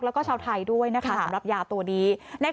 แล้วก็ชาวไทยด้วยนะคะสำหรับยาตัวนี้